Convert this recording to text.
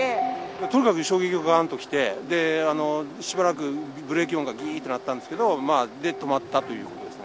とにかく衝撃ががーんときて、しばらくブレーキ音がぎーっとなったんですけど、で、止まったということですね。